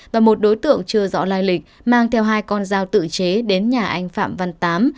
và một đối tượng chưa rõ lai lịch mang theo hai con dao tự chế đến nhà anh phạm văn tám